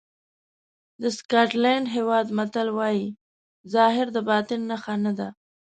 د سکاټلېنډ هېواد متل وایي ظاهر د باطن نښه نه ده.